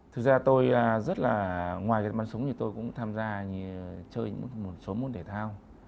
thực ra tôi rất là ngoài việc bắn súng thì tôi cũng tham gia chơi một số môn thể thao